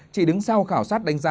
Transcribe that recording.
chỉ đứng sau khảo sát đánh giá